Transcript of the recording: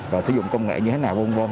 và sử dụng công nghệ như thế nào v v